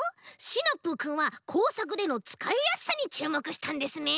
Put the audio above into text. シナプーくんはこうさくでのつかいやすさにちゅうもくしたんですね。